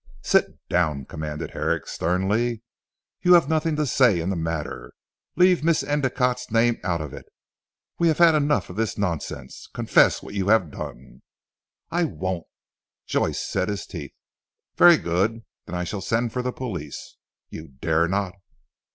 "Sit down," commanded Herrick sternly, "you have nothing to say in the matter. Leave Miss Endicotte's name out of it. We have had enough of this nonsense. Confess what you have done." "I won't," Joyce set his teeth. "Very good. Then I shall send for the police." "You dare not."